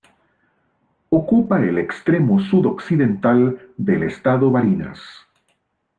Ocupa el extremo sudoccidental del estado Barinas.